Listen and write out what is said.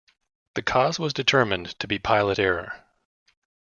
The cause was determined to be pilot error.